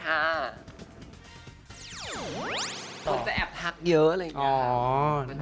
คุณจะแอบทักเยอะเลย